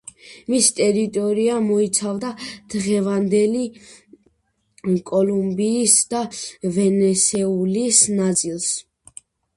მისი ტერიტორია მოიცავდა დღევანდელი კოლუმბიის და ვენესუელის ნაწილს.